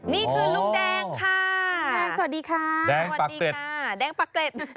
นี่คือลุงแดงค่ะสวัสดีค่ะแดงปากเกร็ด